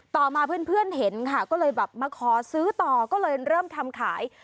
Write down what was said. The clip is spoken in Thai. ต่อมาเพื่อนเห็นค่ะก็เลยแบบมาขอซื้อต่อก็เลยเริ่มทำขาย